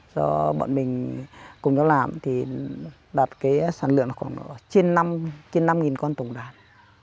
do bọn mình cùng nhau làm thì đạt cái sản lượng khoảng trên năm con tổng đạt